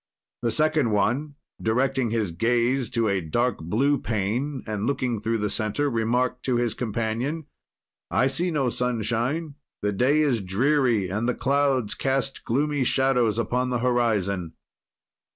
"The second one, directing his gaze to a dark blue pane and, looking through the center, remarked to his companion, I see no sunshine, the day is dreary and the clouds cast gloomy shadows upon the horizon.